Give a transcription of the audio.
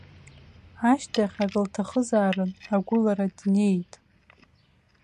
Ашьҭахь, ак лҭахызаарын, агәылара днеит.